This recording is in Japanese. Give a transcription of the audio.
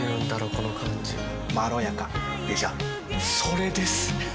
この感じまろやかでしょそれです！